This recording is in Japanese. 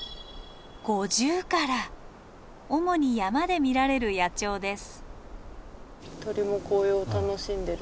主に山で見られる野鳥です。